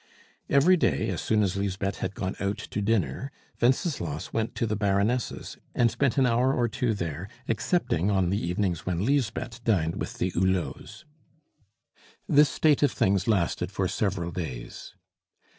Every day, as soon as Lisbeth had gone out to dinner, Wenceslas went to the Baroness' and spent an hour or two there, excepting on the evenings when Lisbeth dined with the Hulots. This state of things lasted for several days.